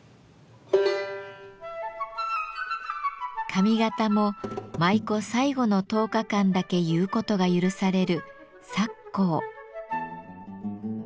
髪型も舞妓最後の１０日間だけ結うことが許される「先笄」。